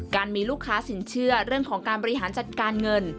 การมีลูกค้าสินเชื่อเรื่องของการบริหารจัดการเงิน